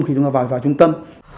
khi chúng ta vào trung tâm